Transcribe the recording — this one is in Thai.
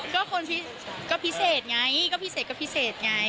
ก็คนก็พิเศษไงก็พิเศษก็พิเศษไง